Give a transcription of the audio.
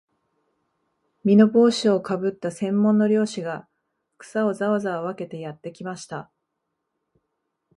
簔帽子をかぶった専門の猟師が、草をざわざわ分けてやってきました